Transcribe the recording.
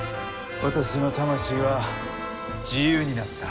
私の魂は自由になった。